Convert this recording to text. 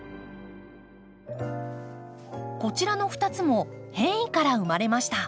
こちらの２つも変異から生まれました。